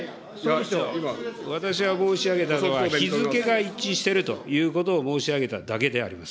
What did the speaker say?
私が申し上げたのは、日付が一致しているということを申し上げただけであります。